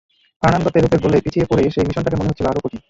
Fernando তোরেসের গোলে পিছিয়ে পড়ে সেই মিশনটাকে মনে হচ্ছিল আরও কঠিন।